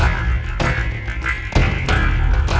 aku mencintaimu dewata